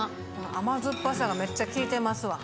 甘酸っぱさがめっちゃ効いてますわ。